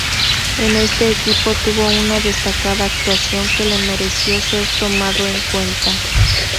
En este equipo tuvo una destacada actuación que le mereció ser tomado en cuenta.